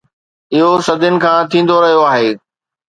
اهو صدين کان ٿيندو رهيو آهي